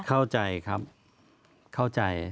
เข้าใจครับเข้าใจ